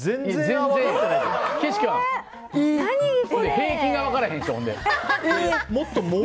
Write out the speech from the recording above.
平均が分からへんし。